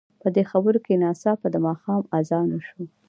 په دې خبرو کې ناڅاپه د ماښام اذان وشو.